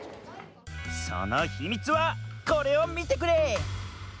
そのヒミツはこれをみてくれ！